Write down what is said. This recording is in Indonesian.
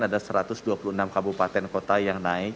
ada satu ratus dua puluh enam kabupaten kota